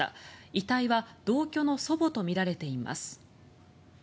遺体は同居の祖母とみられています。